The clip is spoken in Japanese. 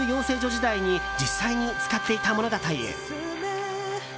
時代に実際に使っていたものだという。